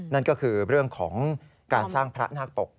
นั่นก็คือเรื่องของการสร้างพระนาคปก